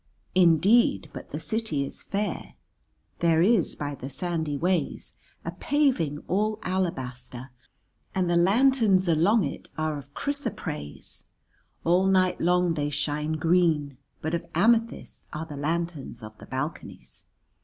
"Indeed but the city is fair; there is by the sandy ways a paving all alabaster, and the lanterns along it are of chrysoprase, all night long they shine green, but of amethyst are the lanterns of the balconies.